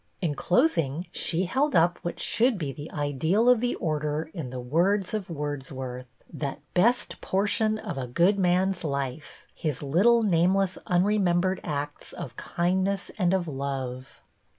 I In closing, she held up what should be the ideal | of the Order in the words of Wordsworth, —\ ii "' That best portion of a good man's life, — i His little, nameless, unremembered acts ! Of kindness and of love.